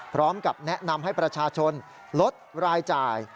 พร้อมกับแนะนำให้ประชาชนลดรายจ่าย